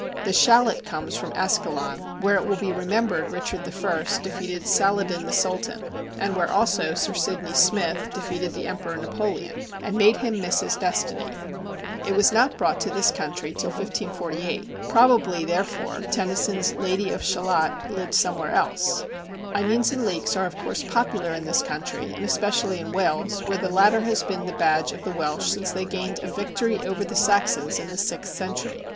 The Shallot comes from Ascalon, where it will be remembered Richard the First defeated Saladin the Sultan, and where also Sir Sidney Smith defeated the Emperor Napoleon and made him miss his destiny. It was not brought to this country till 1548. Probably, therefore, Tennyson's Lady of Shalott lived somewhere else. Onions and leeks are of course popular in this country, and especially in Wales, where the latter has been the badge of the Welsh since they gained a victory over the Saxons in the sixth century.